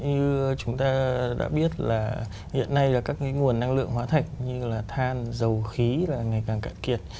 như chúng ta đã biết là hiện nay là các nguồn năng lượng hóa thành như là than dầu khí là ngày càng cạn kiệt